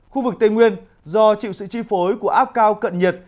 khu vực tây nguyên do chịu sự chi phối của áp cao cận nhiệt